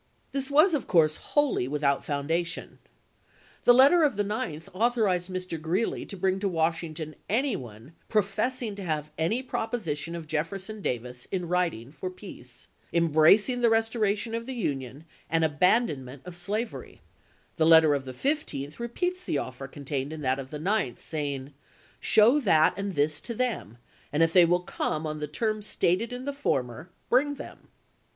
This was, of course, wholly without foundation. The letter of the juiy, 1864. 9th authorized Mr. Greeley to bring to Washington any one "professing to have any proposition of Jefferson Davis, in writing, for peace, embracing the restoration of the Union, and abandonment of slavery"; the letter of the 15th repeats the offer contained in that of the 9th, saying, " Show that and this to them, and if they will come on the terms stated in the former, bring them."